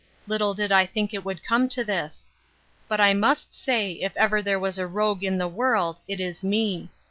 Little did I think it would come to this. But I must say, if ever there was a rogue in the world, it is me.